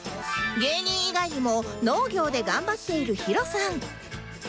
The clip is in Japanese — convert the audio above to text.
芸人以外にも農業で頑張っている ＨＩＲＯ さん